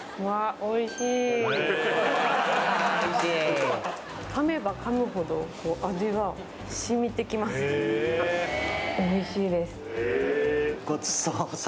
おいしいです。